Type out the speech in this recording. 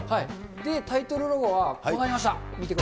タイトルロゴはこうなりました。